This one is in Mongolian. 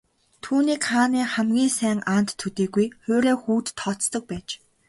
Түүнийг хааны хамгийн сайн анд төдийгүй хуурай хүүд тооцдог байж.